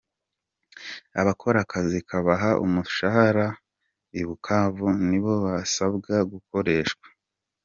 Abakora akazi kabaha umushahara i Bukavu ni bo basabwa gukoreshwa